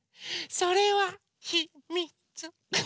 それはひ・み・つ。